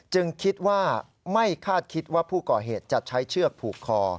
คิดว่าไม่คาดคิดว่าผู้ก่อเหตุจะใช้เชือกผูกคอ